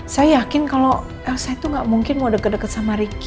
saya yakin kalau elsa itu gak mungkin mau deket deket sama ricky